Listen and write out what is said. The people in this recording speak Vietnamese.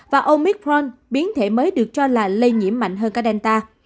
và omicron biến thể mới được cho là lây nhiễm mạnh hơn cả delta